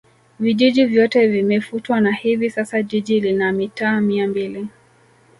Vijiji vyote vimefutwa na hivi sasa Jiji lina mitaa Mia mbili